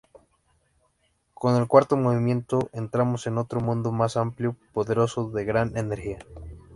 Con el cuarto movimiento entramos en otro mundo más amplio, poderoso, de gran energía.